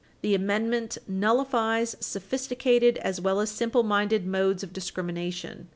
36. The Amendment nullifies sophisticated as well as simple minded modes of discrimination.